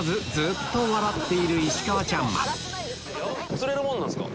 釣れるもんなんすか？